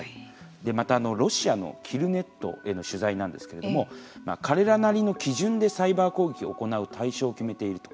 また、ロシアのＫＩＬＬＮＥＴへの取材なんですけれども彼らなりの基準でサイバー攻撃を行う対象を決めていると。